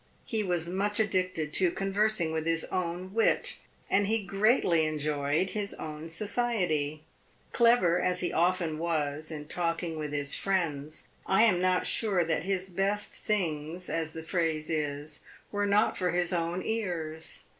He was much addicted to conversing with his own wit, and he greatly enjoyed his own society. Clever as he often was in talking with his friends, I am not sure that his best things, as the phrase is, were not for his own ears.